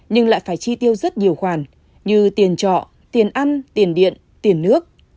nhưng lại phải chi tiêu rất nhiều khoản như tiền trọ tiền ăn tiền điện tiền nước